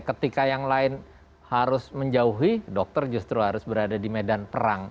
ketika yang lain harus menjauhi dokter justru harus berada di medan perang